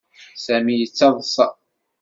Sami yettaḍsa.